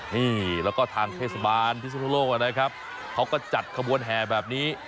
นี่แล้วก็ทางเทศบาลพิศนุโลกนะครับเขาก็จัดขบวนแห่แบบนี้